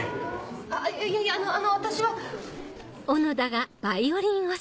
あっいやいやあの私は。